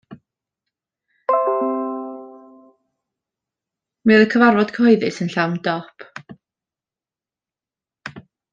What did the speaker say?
Mi oedd y cyfarfod cyhoeddus yn llawn dop.